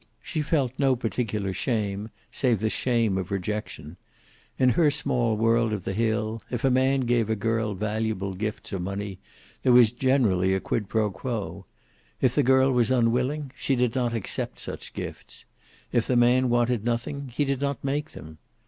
She felt no particular shame, save the shame of rejection. In her small world of the hill, if a man gave a girl valuable gifts or money there was generally a quid pro quo. If the girl was unwilling, she did not accept such gifts. If the man wanted nothing, he did not make them.